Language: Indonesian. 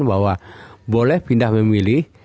bahwa boleh pindah memilih